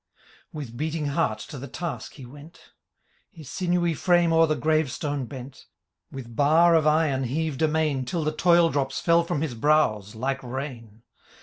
With beating heart to the task he went ; His sinewy frame o^er the grave stone bent ; With bar of iron heav'd amain. Till the toil drops feU from his brows, like rain.